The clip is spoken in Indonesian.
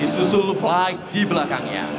disusul flight di belakangnya